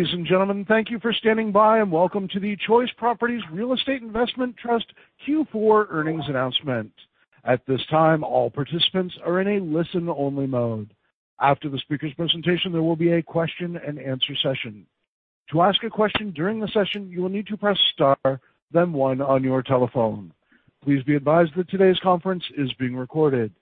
Ladies and gentlemen thank you for standing by and welcome to the Choice Properties Real Estate Investment Trust Q4 earnings announcement at this time. All participants are in a listen only mode. After the speaker's presentation, there will be a question and answer session. To ask a question during the session, you will need to press star then one on your telephone. Please be advised that today's conference is being recorded.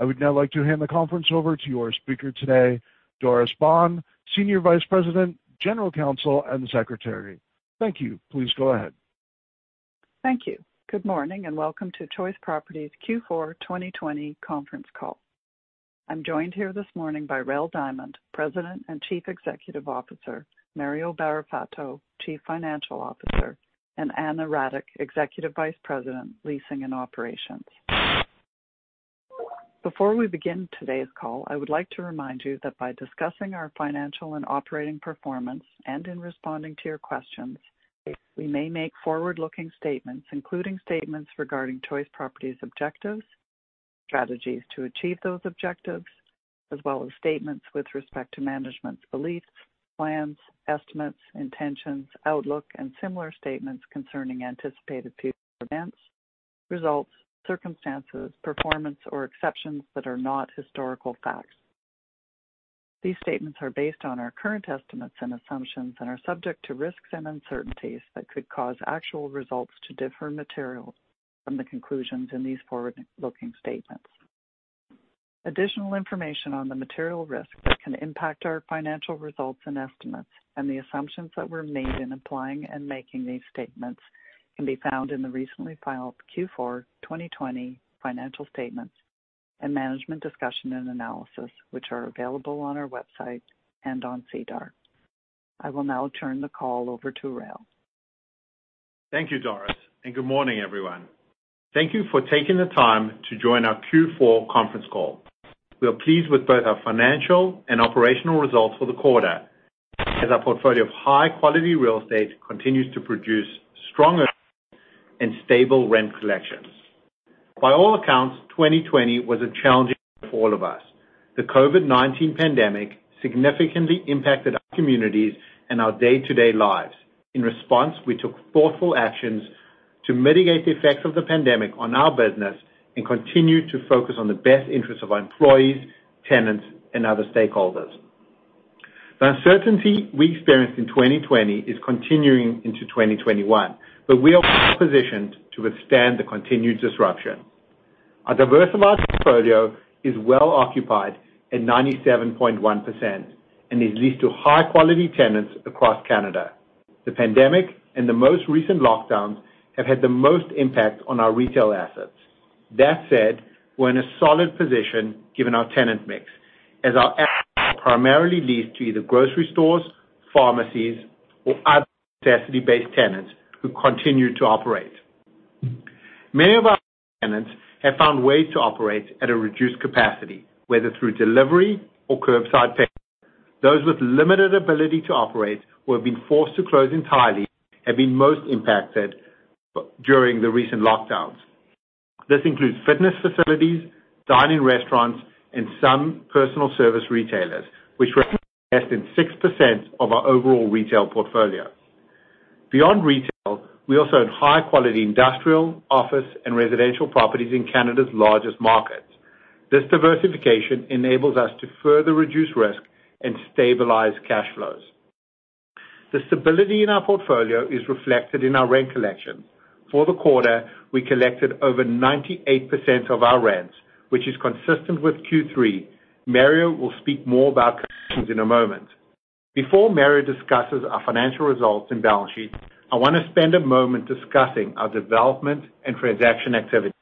I would now like to hand the conference over to your speaker today, Simone Cole, Senior Vice President, General Counsel, and Secretary. Thank you. Please go ahead. Thank you. Good morning. Welcome to Choice Properties Q4 2020 conference call. I'm joined here this morning by Rael Diamond, President and Chief Executive Officer, Mario Barrafato, Chief Financial Officer, and Ana Radic, Executive Vice President, Leasing and Operations. Before we begin today's call, I would like to remind you that by discussing our financial and operating performance and in responding to your questions, we may make forward-looking statements, including statements regarding Choice Properties' objectives, strategies to achieve those objectives, as well as statements with respect to management's beliefs, plans, estimates, intentions, outlook, and similar statements concerning anticipated future events, results, circumstances, performance, or exceptions that are not historical facts. These statements are based on our current estimates and assumptions and are subject to risks and uncertainties that could cause actual results to differ materially from the conclusions in these forward-looking statements. Additional information on the material risks that can impact our financial results and estimates and the assumptions that were made in applying and making these statements can be found in the recently filed Q4 2020 financial statements and Management Discussion and Analysis, which are available on our website and on SEDAR. I will now turn the call over to Rael. Thank you, Doris, and good morning, everyone. Thank you for taking the time to join our Q4 conference call. We are pleased with both our financial and operational results for the quarter as our portfolio of high-quality real estate continues to produce strong and stable rent collections. By all accounts, 2020 was a challenging year for all of us. The COVID-19 pandemic significantly impacted our communities and our day-to-day lives. In response, we took thoughtful actions to mitigate the effects of the pandemic on our business and continued to focus on the best interests of our employees, tenants, and other stakeholders. The uncertainty we experienced in 2020 is continuing into 2021, but we are well-positioned to withstand the continued disruption. Our diversified portfolio is well occupied at 97.1% and is leased to high-quality tenants across Canada. The pandemic and the most recent lockdowns have had the most impact on our retail assets. That said, we're in a solid position given our tenant mix, as our assets are primarily leased to either grocery stores, pharmacies, or other necessity-based tenants who continue to operate. Many of our tenants have found ways to operate at a reduced capacity, whether through delivery or curbside pickup. Those with limited ability to operate who have been forced to close entirely have been most impacted during the recent lockdowns. This includes fitness facilities, dine-in restaurants, and some personal service retailers, which represent less than 6% of our overall retail portfolio. Beyond retail, we also own high-quality industrial, office, and residential properties in Canada's largest markets. This diversification enables us to further reduce risk and stabilize cash flows. The stability in our portfolio is reflected in our rent collection. For the quarter, we collected over 98% of our rents, which is consistent with Q3. Mario will speak more about collections in a moment. Before Mario discusses our financial results and balance sheet, I want to spend a moment discussing our development and transaction activity.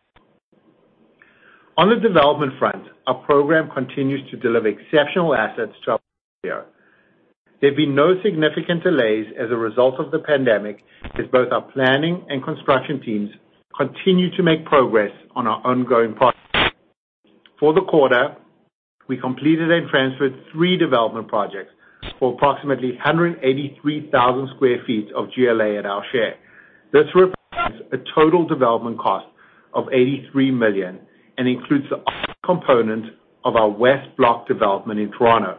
On the development front, our program continues to deliver exceptional assets to our portfolio. There have been no significant delays as a result of the pandemic as both our planning and construction teams continue to make progress on our ongoing projects. For the quarter, we completed and transferred three development projects for approximately 183,000 sq ft of GLA at our share. This represents a total development cost of 83 million and includes the office component of our West Block development in Toronto.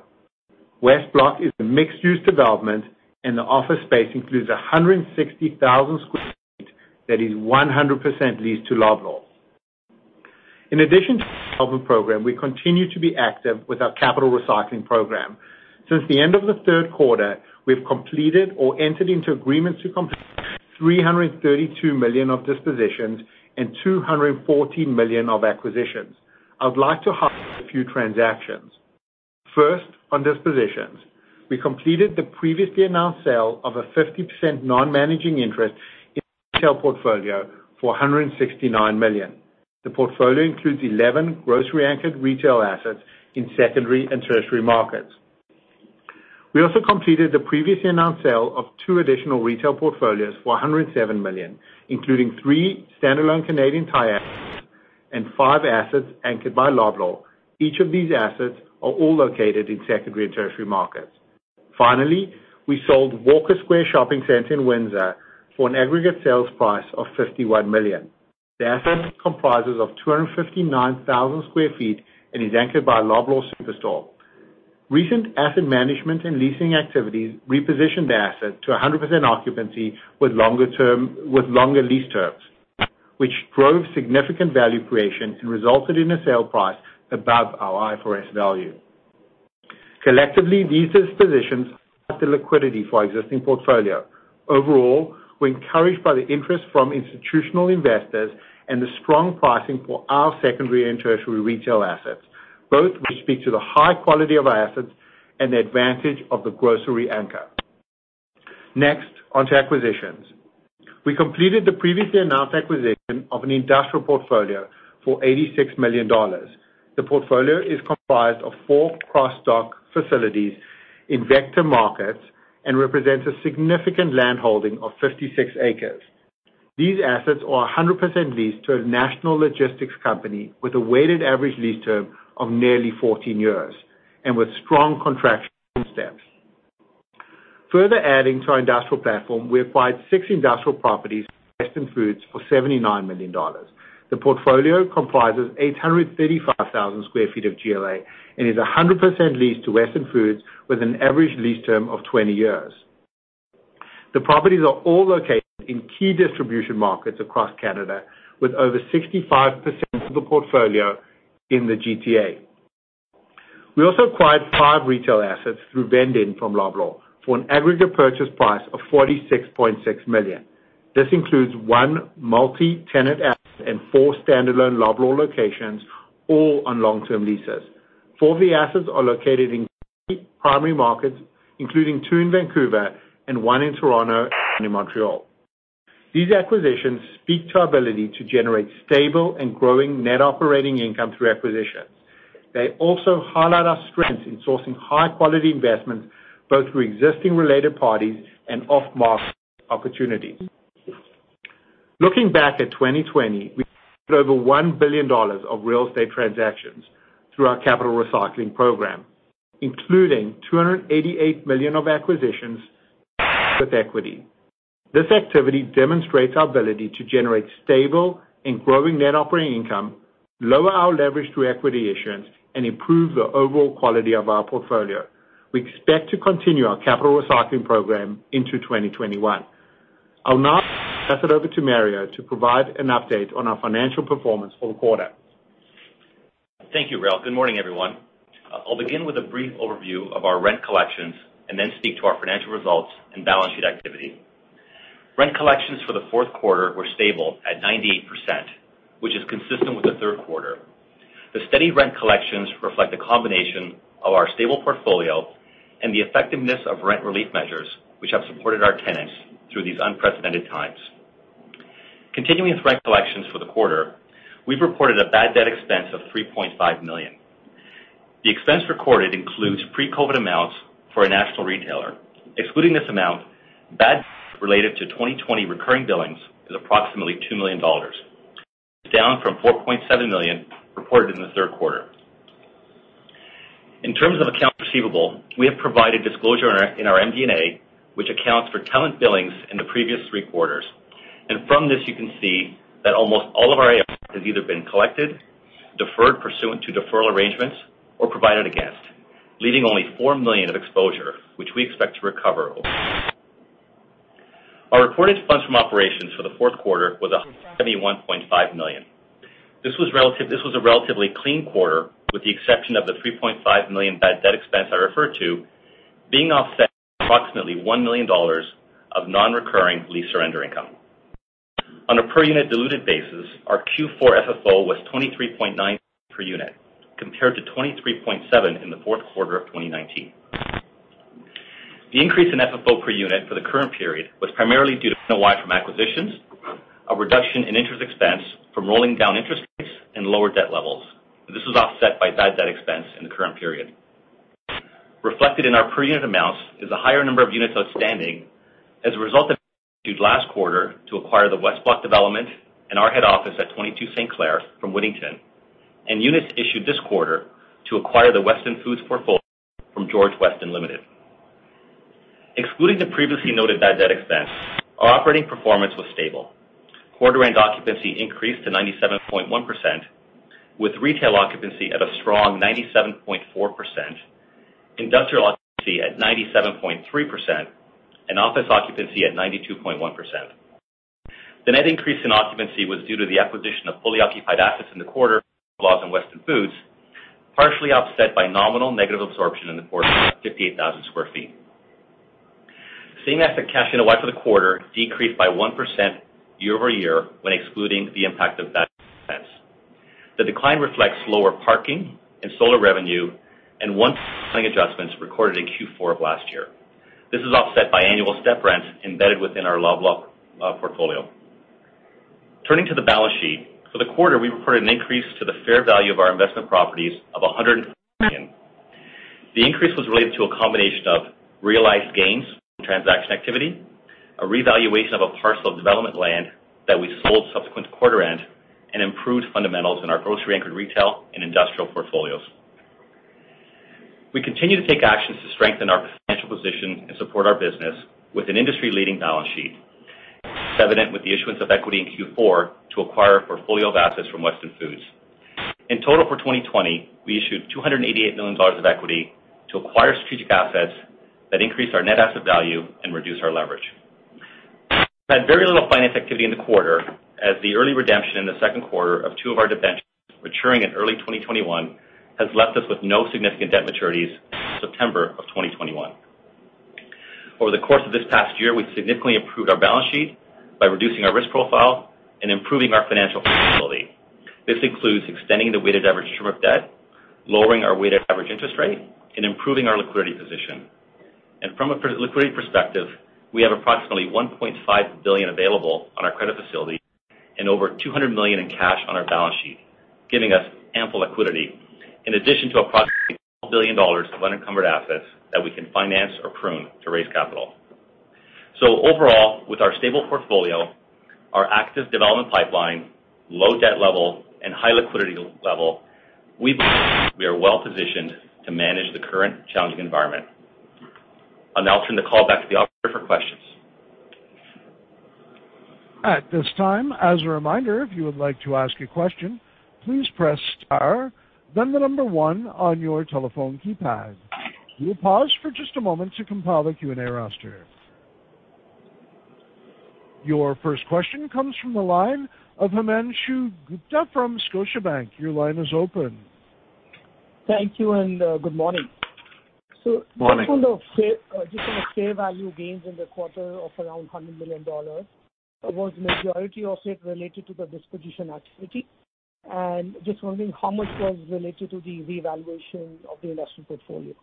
West Block is a mixed-use development, and the office space includes 160,000 sq ft that is 100% leased to Loblaw. In addition to the development program, we continue to be active with our capital recycling program. Since the end of the third quarter, we've completed or entered into agreements to complete 332 million of dispositions and 214 million of acquisitions. I would like to highlight a few transactions. First, on dispositions, we completed the previously announced sale of a 50% non-managing interest in the retail portfolio for 169 million. The portfolio includes 11 grocery-anchored retail assets in secondary and tertiary markets. We also completed the previously announced sale of two additional retail portfolios for 107 million, including three standalone Canadian Tire assets and five assets anchored by Loblaw. Each of these assets are all located in secondary and tertiary markets. Finally, we sold Walker Square Shopping Center in Windsor for an aggregate sales price of 51 million. The asset comprises of 259,000 sq ft and is anchored by a Loblaw Superstore. Recent asset management and leasing activities repositioned the asset to 100% occupancy with longer lease terms, which drove significant value creation and resulted in a sale price above our IFRS value. Collectively, these dispositions have the liquidity for our existing portfolio. Overall, we're encouraged by the interest from institutional investors and the strong pricing for our secondary and tertiary retail assets, both which speak to the high quality of our assets and the advantage of the grocery anchor. Next, on to acquisitions. We completed the previously announced acquisition of an industrial portfolio for 86 million dollars. The portfolio is comprised of four cross-dock facilities in key markets and represents a significant land holding of 56 acres. These assets are 100% leased to a national logistics company with a weighted average lease term of nearly 14 years and with strong contractual steps. Further adding to our industrial platform, we acquired six industrial properties, Weston Foods, for 79 million dollars. The portfolio comprises 835,000 sq ft of GLA and is 100% leased to Weston Foods with an average lease term of 20 years. The properties are all located in key distribution markets across Canada, with over 65% of the portfolio in the GTA. We also acquired five retail assets through vend-in from Loblaw for an aggregate purchase price of CAD 46.6 million. This includes one multi-tenant asset and four standalone Loblaw locations, all on long-term leases. Four of the assets are located in key primary markets, including two in Vancouver and one in Toronto and one in Montreal. These acquisitions speak to our ability to generate stable and growing net operating income through acquisitions. They also highlight our strengths in sourcing high quality investments, both through existing related parties and off-market opportunities. Looking back at 2020, we did over 1 billion dollars of real estate transactions through our capital recycling program, including 288 million of acquisitions with equity. This activity demonstrates our ability to generate stable and growing net operating income, lower our leverage through equity issuance, and improve the overall quality of our portfolio. We expect to continue our capital recycling program into 2021. I'll now pass it over to Mario to provide an update on our financial performance for the quarter. Thank you, Rael. Good morning, everyone. I'll begin with a brief overview of our rent collections and then speak to our financial results and balance sheet activity. Rent collections for the fourth quarter were stable at 98%, which is consistent with the third quarter. The steady rent collections reflect the combination of our stable portfolio and the effectiveness of rent relief measures, which have supported our tenants through these unprecedented times. With rent collections for the quarter, we've reported a bad debt expense of 3.5 million. The expense recorded includes pre-COVID amounts for a national retailer. Excluding this amount, bad debt related to 2020 recurring billings is approximately 2 million dollars, down from 4.7 million reported in the third quarter. In terms of accounts receivable, we have provided disclosure in our MD&A, which accounts for tenant billings in the previous three quarters. From this, you can see that almost all of our accounts have either been collected, deferred pursuant to deferral arrangements, or provided against, leaving only 4 million of exposure, which we expect to recover. Our reported funds from operations for the fourth quarter was 171.5 million. This was a relatively clean quarter, with the exception of the 3.5 million bad debt expense I referred to being offset by approximately 1 million dollars of non-recurring lease surrender income. On a per unit diluted basis, our Q4 FFO was 0.239 per unit, compared to 0.237 in the fourth quarter of 2019. The increase in FFO per unit for the current period was primarily due to NOI from acquisitions, a reduction in interest expense from rolling down interest rates and lower debt levels. This was offset by bad debt expense in the current period. Reflected in our per unit amounts is a higher number of units outstanding as a result of issues last quarter to acquire the West Block development and our head office at 22 St. Clair from Wittington, and units issued this quarter to acquire the Weston Foods portfolio from George Weston Limited. Excluding the previously noted bad debt expense, our operating performance was stable. Quarter end occupancy increased to 97.1%, with retail occupancy at a strong 97.4%, industrial occupancy at 97.3%, and office occupancy at 92.1%. The net increase in occupancy was due to the acquisition of fully occupied assets in the quarter, Loblaw and Weston Foods, partially offset by nominal negative absorption in the quarter of 58,000 sq ft. Same-asset cash NOI for the quarter decreased by 1% year-over-year when excluding the impact of bad debt expense. The decline reflects lower parking and solar revenue and one-time accounting adjustments recorded in Q4 of last year. This is offset by annual step rents embedded within our Loblaw portfolio. Turning to the balance sheet, for the quarter, we reported an increase to the fair value of our investment properties of 140 million. The increase was related to a combination of realized gains from transaction activity, a revaluation of a parcel of development land that we sold subsequent to quarter end and improved fundamentals in our grocery-anchored retail and industrial portfolios. We continue to take actions to strengthen our financial position and support our business with an industry leading balance sheet. This is evident with the issuance of equity in Q4 to acquire a portfolio of assets from Weston Foods. In total for 2020, we issued 288 million dollars of equity to acquire strategic assets that increase our net asset value and reduce our leverage. We had very little finance activity in the quarter as the early redemption in the second quarter of two of our debentures maturing in early 2021 has left us with no significant debt maturities until September of 2021. Over the course of this past year, we've significantly improved our balance sheet by reducing our risk profile and improving our financial flexibility. This includes extending the weighted average term of debt, lowering our weighted average interest rate, and improving our liquidity position. From a liquidity perspective, we have approximately 1.5 billion available on our credit facility and over 200 million in cash on our balance sheet, giving us ample liquidity. In addition to approximately 12 billion dollars of unencumbered assets that we can finance or prune to raise capital. Overall, with our stable portfolio, our active development pipeline, low debt level, and high liquidity level, we believe we are well-positioned to manage the current challenging environment. I'll now turn the call back to the operator for questions. At this time, as a reminder, if you would like to ask a question, please press star, then the number one on your telephone keypad. We will pause for just a moment to compile the Q&A roster. Your first question comes from the line of Himanshu Gupta from Scotiabank. Your line is open. Thank you, and good morning. Morning. Just on the fair value gains in the quarter of around 100 million dollars, was the majority of it related to the disposition activity? Just wondering how much was related to the revaluation of the investment portfolio?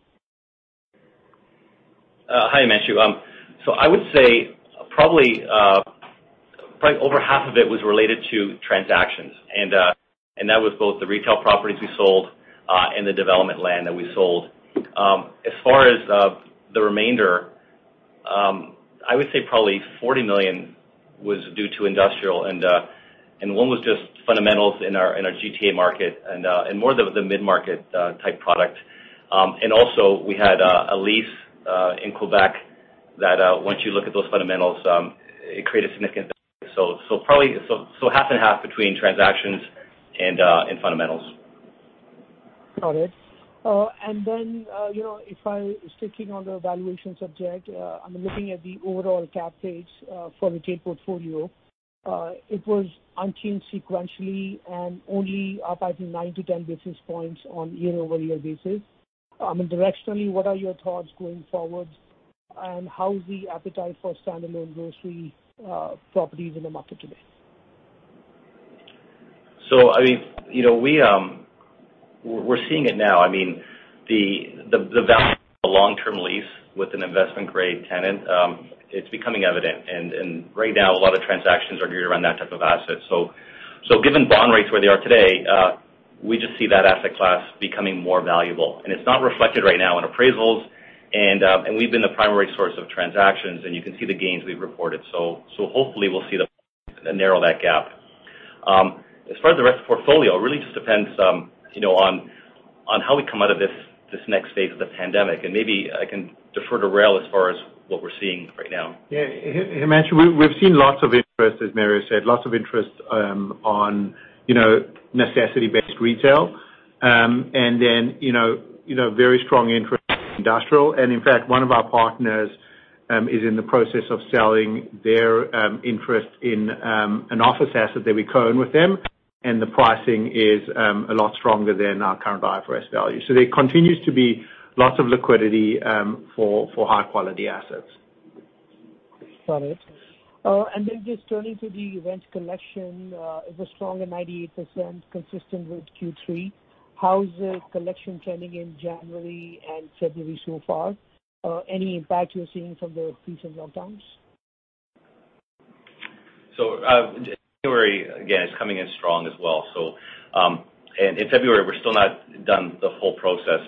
Hi, Himanshu. I would say probably over half of it was related to transactions. That was both the retail properties we sold, and the development land that we sold. As far as the remainder, I would say probably 40 million was due to industrial, and one was just fundamentals in our GTA market and more of the mid-market type product. Also we had a lease in Quebec that once you look at those fundamentals, it created significant value. Probably half and half between transactions and fundamentals. Got it. Then sticking on the valuation subject, I'm looking at the overall cap rates for retail portfolio. It was unchanged sequentially and only up I think nine to 10 basis points on year-over-year basis. I mean, directionally, what are your thoughts going forward, and how is the appetite for standalone grocery properties in the market today? We're seeing it now. The value of a long-term lease with an investment-grade tenant, it's becoming evident. Right now, a lot of transactions are geared around that type of asset. Given bond rates where they are today, we just see that asset class becoming more valuable. It's not reflected right now in appraisals, and we've been the primary source of transactions, and you can see the gains we've reported. Hopefully we'll see them narrow that gap. As far as the rest of the portfolio, it really just depends on how we come out of this next phase of the pandemic, and maybe I can defer to Rael as far as what we're seeing right now. Yeah. Himanshu, we've seen lots of interest, as Mario said, lots of interest on necessity-based retail. Very strong interest in industrial. One of our partners is in the process of selling their interest in an office asset that we co-own with them. The pricing is a lot stronger than our current IFRS value. There continues to be lots of liquidity for high-quality assets. Got it. Just turning to the rent collection, it was strong at 98%, consistent with Q3. How is the collection trending in January and February so far? Any impact you're seeing from the recent lockdowns? February, again, is coming in strong as well. In February we're still not done the whole process.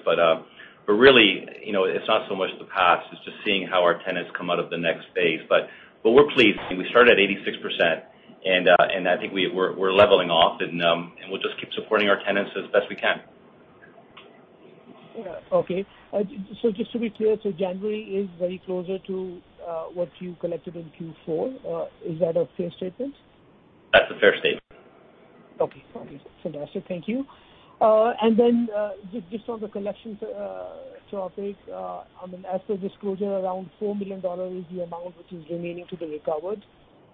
Really it's not so much the past, it's just seeing how our tenants come out of the next phase. We're pleased. We started at 86% and I think we're leveling off, and we'll just keep supporting our tenants as best we can. Yeah. Okay. Just to be clear, so January is very closer to what you collected in Q4. Is that a fair statement? That's a fair statement. Okay. Fantastic. Thank you. Just on the collections topic, as per disclosure, around 4 million dollars is the amount which is remaining to be recovered,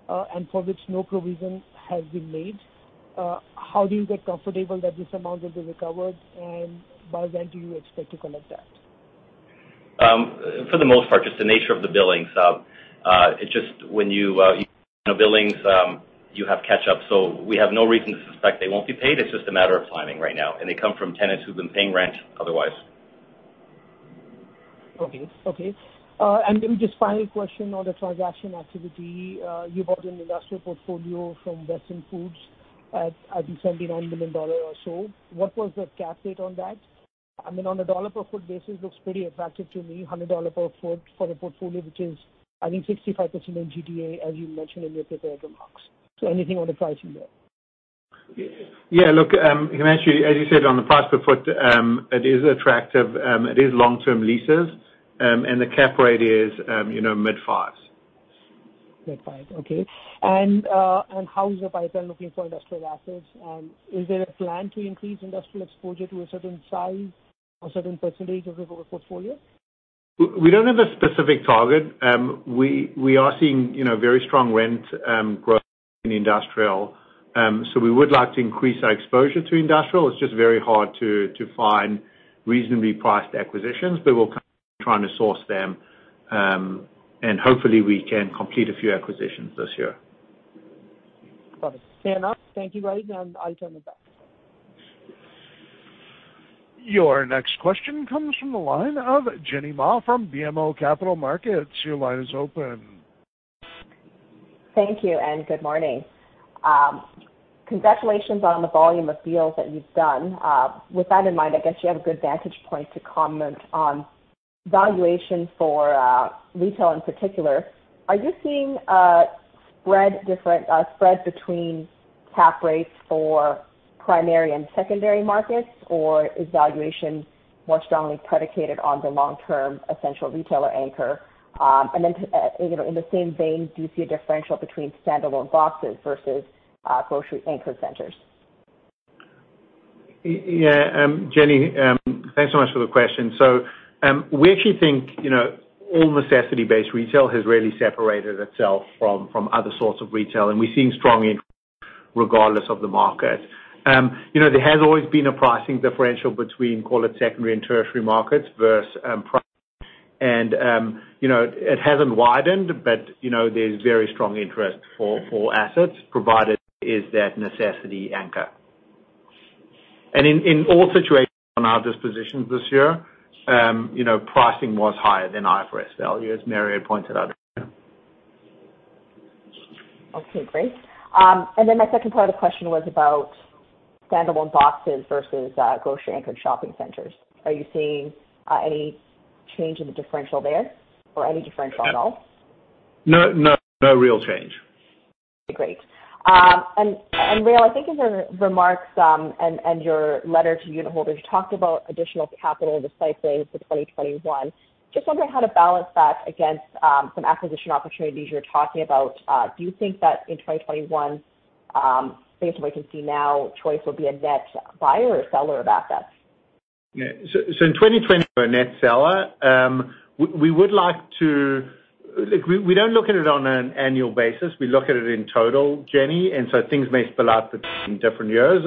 and for which no provision has been made. How do you get comfortable that this amount will be recovered, and by when do you expect to collect that? For the most part, just the nature of the billings. It's just when your billings, you have catch up. We have no reason to suspect they won't be paid, it's just a matter of timing right now. They come from tenants who've been paying rent otherwise. Okay. Just final question on the transaction activity. You bought an industrial portfolio from Weston Foods at I think 79 million dollars or so. What was the cap rate on that? On a CAD per foot basis, looks pretty attractive to me, 100 dollar per foot for a portfolio which is, I think, 65% in GTA, as you mentioned in your prepared remarks. Anything on the pricing there? Yeah. Look, Himanshu, as you said on the price per foot, it is attractive. It is long-term leases, and the cap rate is mid fives. Mid fives. Okay. How is the pipeline looking for industrial assets? Is there a plan to increase industrial exposure to a certain size or a certain percentage of the total portfolio? We don't have a specific target. We are seeing very strong rent growth in industrial. We would like to increase our exposure to industrial. It's just very hard to find reasonably priced acquisitions, but we'll keep trying to source them. Hopefully we can complete a few acquisitions this year. Got it. Fair enough. Thank you, Rael. I'll turn it back. Your next question comes from the line of Jenny Ma from BMO Capital Markets. Your line is open. Thank you. Good morning. Congratulations on the volume of deals that you've done. With that in mind, I guess you have a good vantage point to comment on valuation for retail in particular. Are you seeing a spread between cap rates for primary and secondary markets? Is valuation more strongly predicated on the long-term essential retailer anchor? In the same vein, do you see a differential between standalone boxes versus grocery anchor centers? Jenny, thanks so much for the question. We actually think all necessity-based retail has really separated itself from other sorts of retail, and we're seeing strong interest regardless of the market. There has always been a pricing differential between, call it, secondary and tertiary markets versus primary. It hasn't widened, but there's very strong interest for assets provided there is that necessity anchor. In all situations on our dispositions this year, pricing was higher than IFRS value, as Mario had pointed out. Okay, great. My second part of the question was about standalone boxes versus grocery anchored shopping centers. Are you seeing any change in the differential there or any differential at all? No real change. Great. Rael, I think in your remarks, and your letter to unit holders, you talked about additional capital recycling for 2021. Just wondering how to balance that against some acquisition opportunities you're talking about? Do you think that in 2021, based on what you can see now, Choice will be a net buyer or seller of assets? Yeah. In 2020 we were a net seller. We don't look at it on an annual basis, we look at it in total, Jenny. Things may spill out in different years.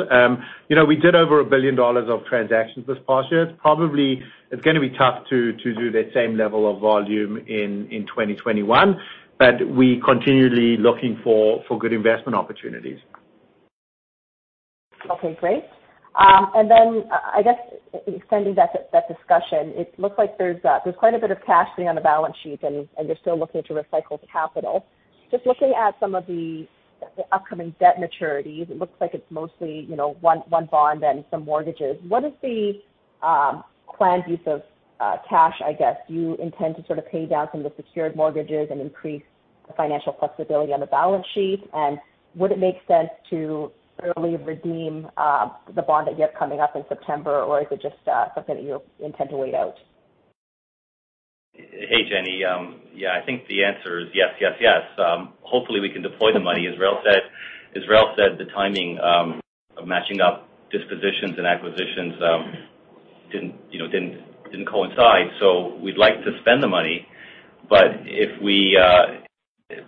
We did over 1 billion dollars of transactions this past year. Probably it's going to be tough to do that same level of volume in 2021. We continually looking for good investment opportunities. Okay, great. I guess extending that discussion, it looks like there's quite a bit of cash sitting on the balance sheet and you're still looking to recycle capital. Just looking at some of the upcoming debt maturities, it looks like it's mostly one bond and some mortgages. What is the planned use of cash, I guess? Do you intend to sort of pay down some of the secured mortgages and increase the financial flexibility on the balance sheet? Would it make sense to early redeem the bond that you have coming up in September or is it just something that you intend to wait out? Hey, Jenny. Yeah, I think the answer is yes, yes. As Rael said, the timing of matching up dispositions and acquisitions didn't coincide. We'd like to spend the money, but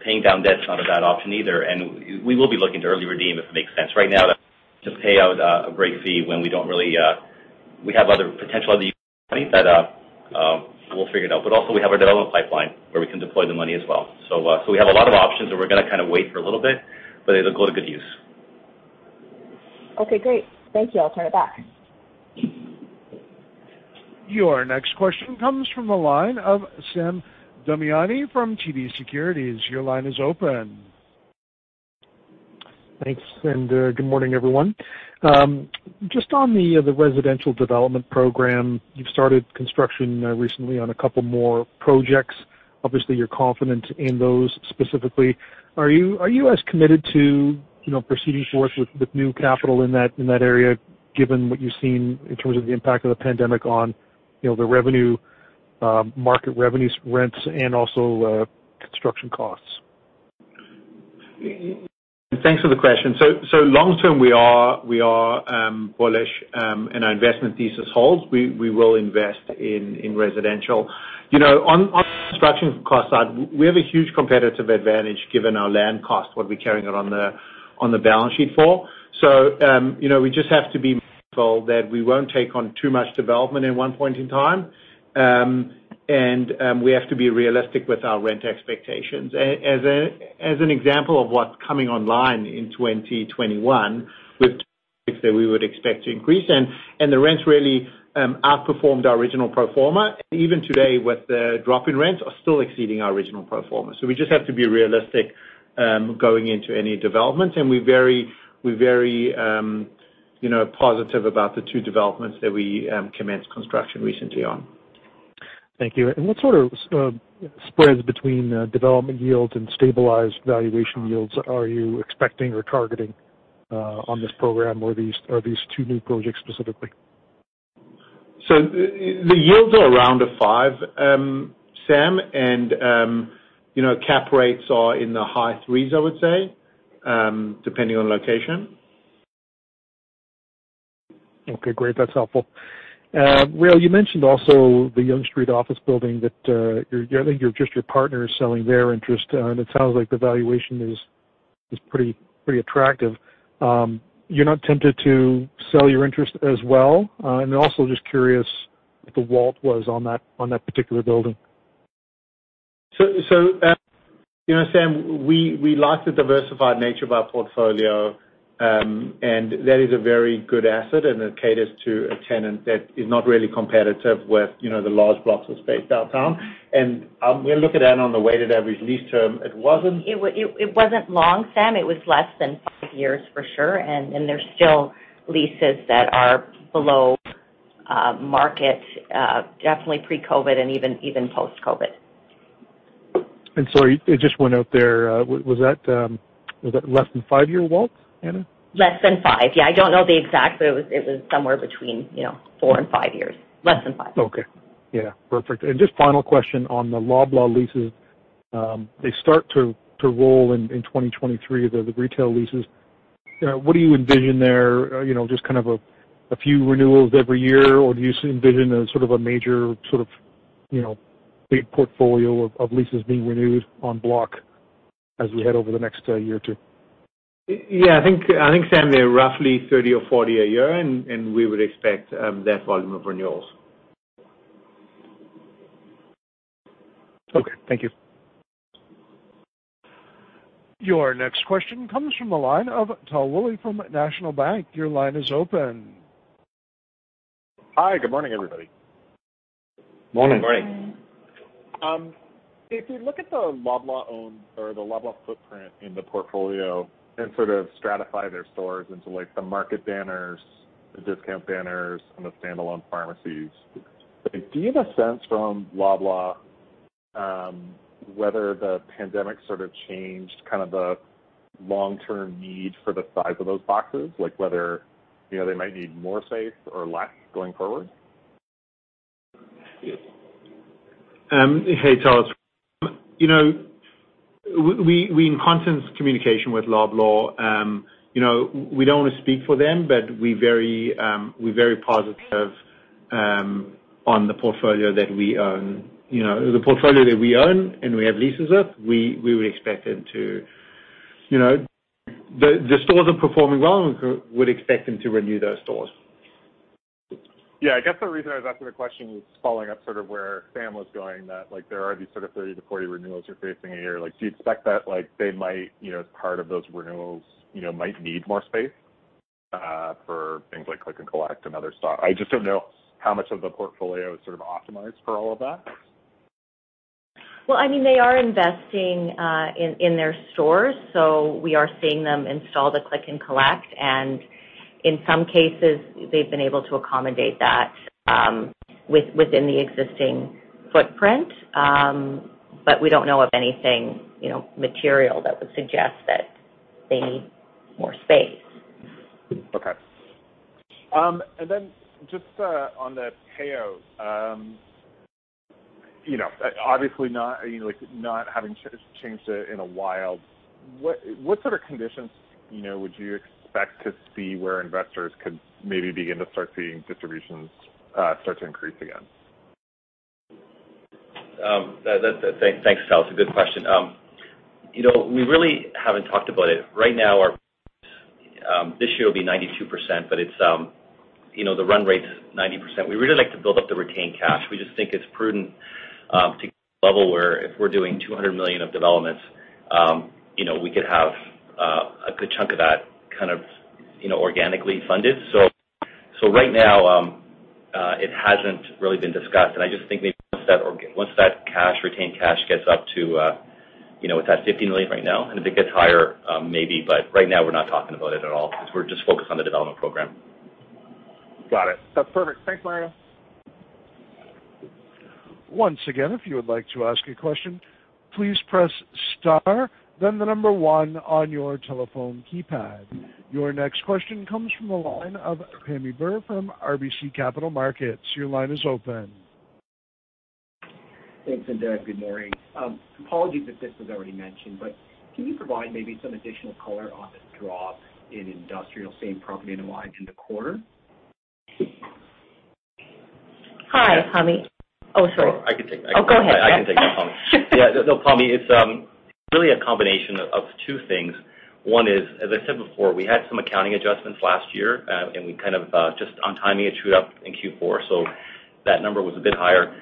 paying down debt is not a bad option either, and we will be looking to early redeem if it makes sense. Right now, that's just pay out a great fee when we have potential other use of money that we'll figure it out. Also, we have our development pipeline where we can deploy the money as well. We have a lot of options and we're going to kind of wait for a little bit, but it'll go to good use. Okay, great. Thank you. I'll turn it back. Your next question comes from the line of Sam Damiani from TD Securities. Your line is open. Thanks, good morning, everyone. Just on the residential development program, you've started construction recently on a couple more projects. Obviously you're confident in those specifically. Are you as committed to proceeding forth with new capital in that area given what you've seen in terms of the impact of the pandemic on the revenue, market revenues, rents, and also construction costs? Thanks for the question. Long term we are bullish, and our investment thesis holds. We will invest in residential. On the construction cost side, we have a huge competitive advantage given our land cost, what we're carrying it on the balance sheet for. We just have to be mindful that we won't take on too much development at one point in time. We have to be realistic with our rent expectations. As an example of what's coming online in 2021 with that we would expect to increase and the rents really outperformed our original pro forma. Even today with the drop in rents are still exceeding our original pro forma. We just have to be realistic going into any development, and we're very positive about the two developments that we commenced construction recently on. Thank you. What sort of spreads between development yields and stabilized valuation yields are you expecting or targeting on this program or these two new projects specifically? The yields are around a five, Sam, and cap rates are in the high threes, I would say, depending on location. Okay, great. That's helpful. Rael, you mentioned also the Yonge Street office building that I think just your partner is selling their interest. It sounds like the valuation is pretty attractive. You're not tempted to sell your interest as well? Also just curious what the WALT was on that particular building. Sam, we like the diversified nature of our portfolio, and that is a very good asset, and it caters to a tenant that is not really competitive with the large blocks of space downtown. We look at that on the weighted average lease term. It wasn't long, Sam. It was less than five years for sure. There's still leases that are below market, definitely pre-COVID and even post-COVID. Sorry, it just went out there. Was that less than five-year WALT, Ana? Less than five, yeah. I don't know the exact, but it was somewhere between four and five years. Less than five. Okay. Yeah. Perfect. Just final question on the Loblaw leases. They start to roll in 2023, the retail leases. What do you envision there? Just kind of a few renewals every year, or do you envision a sort of a major sort of big portfolio of leases being renewed en bloc as we head over the next year or two? Yeah, I think, Sam, they're roughly 30 or 40 a year, and we would expect that volume of renewals. Okay. Thank you. Your next question comes from the line of Tal Woolley from National Bank. Your line is open. Hi. Good morning, everybody. Morning. Good morning. If you look at the Loblaw footprint in the portfolio and sort of stratify their stores into the market banners, the discount banners, and the standalone pharmacies, do you have a sense from Loblaw whether the pandemic sort of changed kind of the long-term need for the size of those boxes, like whether they might need more space or less going forward? Hey, Tal. We're in constant communication with Loblaw. We don't want to speak for them, but we're very positive on the portfolio that we own. The portfolio that we own and we have leases with, the stores are performing well, and we would expect them to renew those stores. Yeah, I guess the reason I was asking the question was following up sort of where Sam was going, that there are these sort of 30-40 renewals you're facing a year. Do you expect that they might, as part of those renewals, might need more space for things like click and collect and other stock? I just don't know how much of the portfolio is sort of optimized for all of that. They are investing in their stores, so we are seeing them install the click and collect, and in some cases, they've been able to accommodate that within the existing footprint. We don't know of anything material that would suggest that they need more space. Okay. Then just on the payout. Obviously not having changed it in a while, what sort of conditions would you expect to see where investors could maybe begin to start seeing distributions start to increase again? Thanks, Tal. It's a good question. We really haven't talked about it. Right now, our this year will be 92%, but the run rate's 90%. We really like to build up the retained cash. We just think it's prudent to level where if we're doing 200 million of developments, we could have a good chunk of that kind of organically funded. Right now, it hasn't really been discussed, and I just think maybe once that retained cash gets up to It's at 50 million right now, and if it gets higher, maybe, but right now we're not talking about it at all because we're just focused on the development program. Got it. That's perfect. Thanks, Mario. Once again, if you would like to ask a question, please press star then the number one on your telephone keypad. Your next question comes from the line of Pammi Bir from RBC Capital Markets. Your line is open. Thanks, and good morning. Apologies if this was already mentioned, but can you provide maybe some additional color on the drop in industrial same property and why in the quarter? Hi, Pammi. Oh, sorry. I can take that. Oh, go ahead. I can take that, Pammi. Yeah, no, Pammi, it's really a combination of two things. One is, as I said before, we had some accounting adjustments last year, and we kind of just on timing, it showed up in Q4, so that number was a bit higher.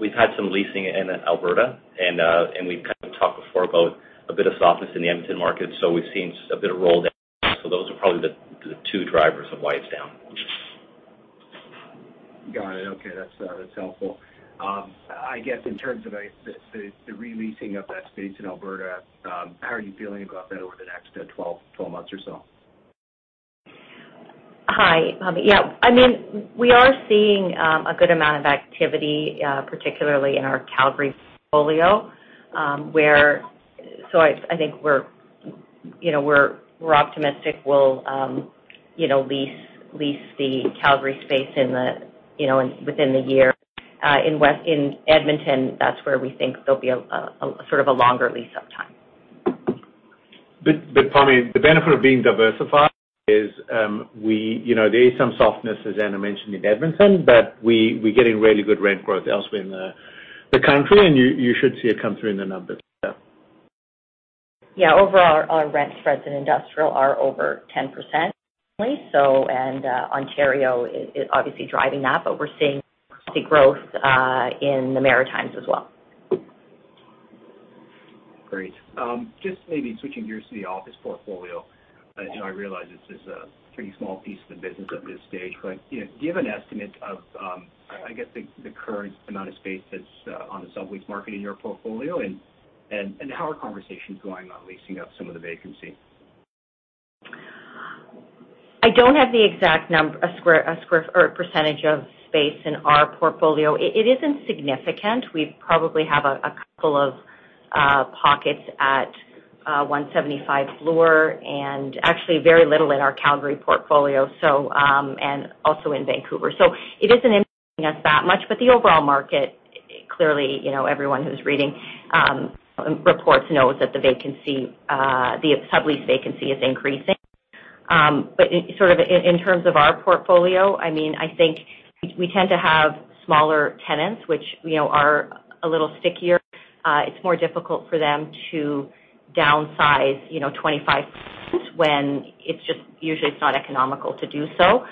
We've had some leasing in Alberta, and we've kind of talked before about a bit of softness in the Edmonton market, so we've seen a bit of roll down. Those are probably the two drivers of why it's down. Got it. Okay. That's helpful. I guess in terms of the re-leasing of that space in Alberta, how are you feeling about that over the next 12 months or so? Hi. Yeah, we are seeing a good amount of activity, particularly in our Calgary portfolio. I think we're optimistic we'll lease the Calgary space within the year. In Edmonton, that's where we think there'll be a longer lease-up time. Pammi, the benefit of being diversified is there is some softness, as Ana mentioned, in Edmonton, but we're getting really good rent growth elsewhere in the country, and you should see it come through in the numbers. Yeah. Yeah. Overall, our rent spreads in industrial are over 10%, and Ontario is obviously driving that, but we're seeing healthy growth in the Maritimes as well. Great. Just maybe switching gears to the office portfolio. I realize this is a pretty small piece of the business at this stage, but do you have an estimate of, I guess the current amount of space that's on the sublease market in your portfolio, and how are conversations going on leasing up some of the vacancy? I don't have the exact number, a square, or a percentage of space in our portfolio. It isn't significant. We probably have a couple of pockets at 175 Bloor, and actually very little in our Calgary portfolio. Also in Vancouver. It isn't impacting us that much. The overall market, clearly, everyone who's reading reports knows that the sublease vacancy is increasing. In terms of our portfolio, I think we tend to have smaller tenants, which are a little stickier. It's more difficult for them to downsize 25 tenants when it's just usually it's not economical to do so.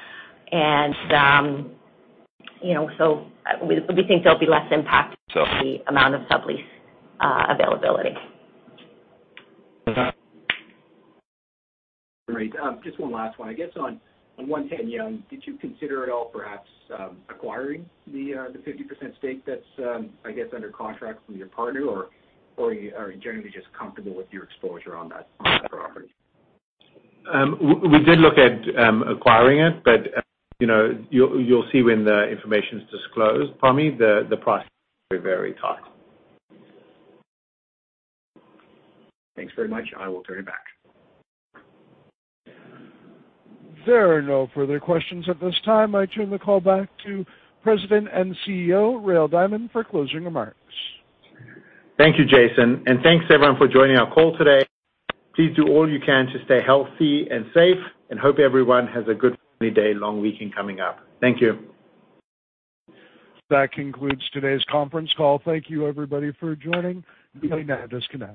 We think there'll be less impact to the amount of sublease availability. Great. Just one last one. I guess on, 110 Yonge, did you consider at all perhaps acquiring the 50% stake that's, I guess, under contract from your partner, or are you generally just comfortable with your exposure on that property? We did look at acquiring it, but you'll see when the information's disclosed, Pammi, the price is very tight. Thanks very much. I will turn it back. There are no further questions at this time. I turn the call back to President and CEO, Rael Diamond, for closing remarks. Thank you, Jason, and thanks everyone for joining our call today. Please do all you can to stay healthy and safe, and hope everyone has a good family day long weekend coming up. Thank you. That concludes today's conference call. Thank you everybody for joining. You may now disconnect.